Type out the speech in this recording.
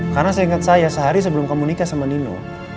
karena seingat saya sehari sebelum kamu nikah sama nino